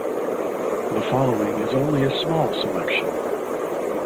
The following is only a small selection.